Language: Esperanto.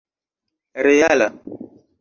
reala